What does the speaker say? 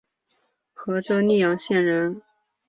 和州历阳县人。